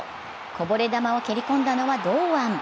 こぼれ球を蹴りこんだのは堂安。